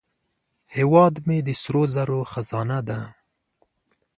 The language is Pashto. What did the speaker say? هیواد مې د سرو زرو خزانه ده